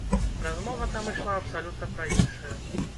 Размова там ішла абсалютна пра іншае.